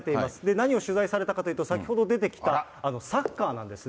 何を取材したかというと、先ほど出てきたサッカーなんですね。